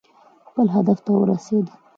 خپل هدف ته ورسېد.